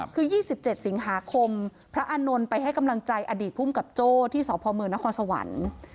คือ๒๗สิงหาคมพระอานนท์ไปให้กำลังใจอดีตภูมิกับโจ้ที่สพมนครสวรรค์